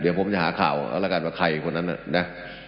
เดี๋ยวผมจะหาข่าวเอาละกันว่าใครคนนั้นน่ะนะ